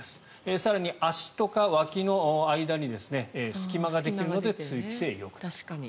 更に、足とかわきの間に隙間ができるので通気性がよくなる。